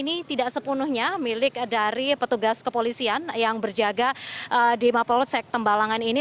ini tidak sepenuhnya milik dari petugas kepolisian yang berjaga di mapolsek tembalangan ini